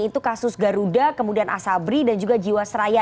itu kasus garuda kemudian asabri dan juga jiwasraya